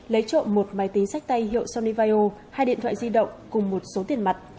lấy trộm một máy tính sách tay hiệu sonnyvao hai điện thoại di động cùng một số tiền mặt